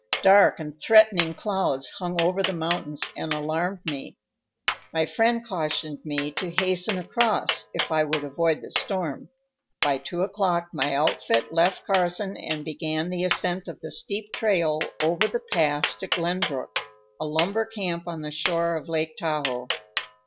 Dark and threatening clouds hung over the mountains and alarmed me. My friend cautioned me to hasten across, if I would avoid the storm. By two o'clock my outfit left Carson and began the ascent of the steep trail over the pass to Glenbrook, a lumber camp on the shore of Lake Tahoe. Dr.